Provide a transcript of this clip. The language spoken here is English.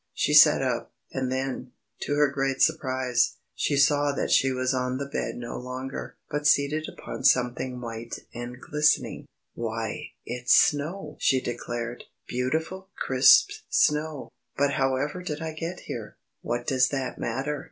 She sat up. And then, to her great surprise, she saw that she was on the bed no longer, but seated upon something white and glistening. "Why, it's snow!" she declared, "beautiful, crisp snow. But however did I get here?" "What does that matter?"